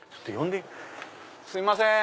すいません。